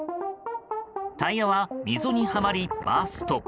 タイヤは溝にはまりバースト。